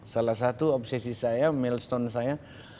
salah satu obsesi saya milestone saya